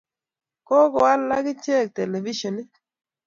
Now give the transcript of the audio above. Kokoal ak achek televisionit.